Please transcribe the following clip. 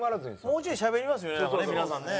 もうちょいしゃべりますよね